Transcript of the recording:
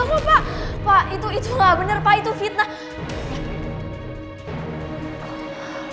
kan mereka sendiri akan smart off untuk menemukan pengelamar warung di kunjung tersebut